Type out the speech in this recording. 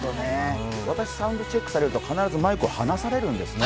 私、サウンドチェックされると必ずマイク離されるんですね。